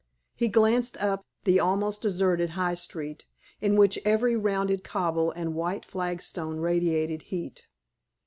He glanced up the almost deserted high street, in which every rounded cobble and white flagstone radiated heat.